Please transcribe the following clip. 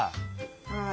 はい。